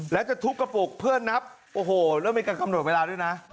แล้วจะทุบกระปุกเพื่อนับโอ้โหแล้วมีการกำหนดเวลาด้วยนะ